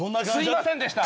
すいませんでした。